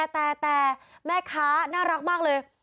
แต่แม่ค้าน่ารักมากเลย